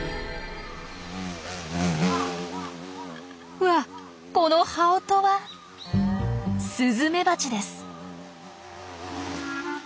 うわこの羽音はスズメバチです。